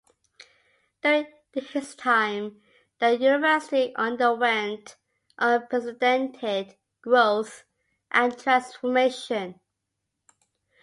During his time the University underwent unprecedented growth and transformation.